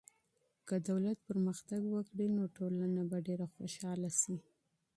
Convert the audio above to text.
که دولت وده وکړي، نو ټولني به ډېره خوشحاله سي.